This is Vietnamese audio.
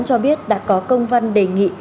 cho biết đã có công văn đề nghị